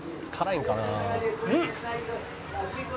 うん！